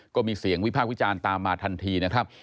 ก็มีเสียงวิพากษ์วิจารณ์ตามมาทันทีนะครับ